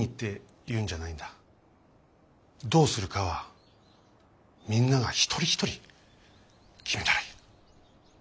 どうするかはみんなが一人一人決めたらいい。